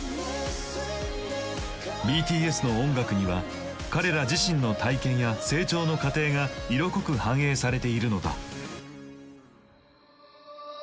ＢＴＳの音楽には彼ら自身の体験や成長の過程が色濃く反映されているのだ。